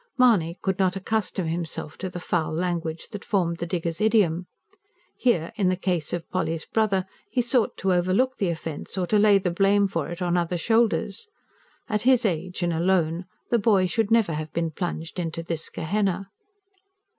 Mahony could not accustom him self to the foul language that formed the diggers' idiom. Here, in the case of Polly's brother, he sought to overlook the offence, or to lay the blame for it on other shoulders: at his age, and alone, the boy should never have been plunged into this Gehenna.